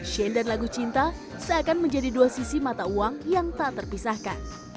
shane dan lagu cinta seakan menjadi dua sisi mata uang yang tak terpisahkan